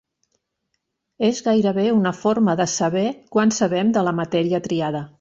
És gairebé una forma de saber quant sabem de la matèria triada.